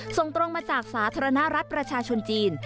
ส่งตรงมาจากสาธารณรัฐประชาชนจีน